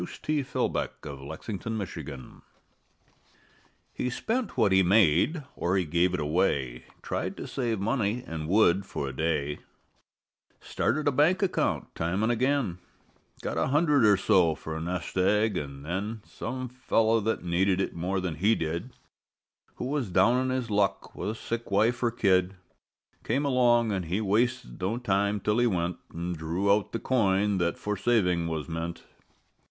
THE MAN WHO COULDN'T SAVE He spent what he made, or he gave it away, Tried to save money, and would for a day, Started a bank account time an' again, Got a hundred or so for a nest egg, an' then Some fellow that needed it more than he did, Who was down on his luck, with a sick wife or kid, Came along an' he wasted no time till he went An' drew out the coin that for saving was meant.